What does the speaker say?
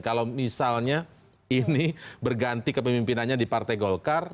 kalau misalnya ini berganti kepemimpinannya di partai golkar